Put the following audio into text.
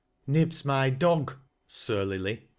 Nib's my dog," surlily.